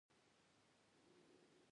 که يو څوک په ژوند کې روښانه هدف ولري.